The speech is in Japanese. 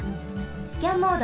スキャンモード。